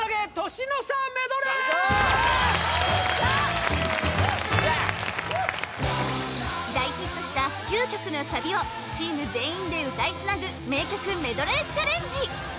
年の差メドレー・よっしゃ大ヒットした９曲のサビをチーム全員で歌いつなぐ名曲メドレーチャレンジ